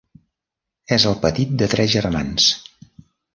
És el petit de tres germans.